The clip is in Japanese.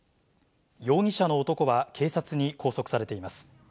容疑者の男は警察に拘束されています。